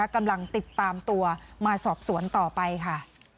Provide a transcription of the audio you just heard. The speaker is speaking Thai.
กำลังติดตามตัวมาสอบสวนต่อไปค่ะ